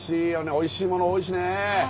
おいしいもの多いしね。